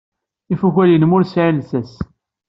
Ifukal-nnem ur sɛin llsas.